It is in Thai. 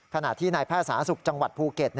ขณะที่นายแพร่สาศุกร์จังหวัดภูเก็ต